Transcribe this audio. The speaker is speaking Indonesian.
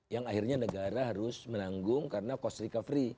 yang akhirnya negara harus menanggung karena cost recovery